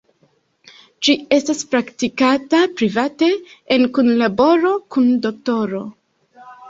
Ĝi estas praktikata private en kunlaboro kun doktoro.